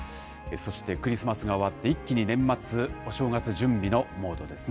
そしてクリスマスが終わって、一気に年末、お正月準備のモードですね。